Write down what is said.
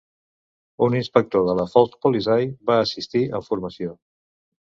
Un inspector de la Volkspolizei va assistir amb formació.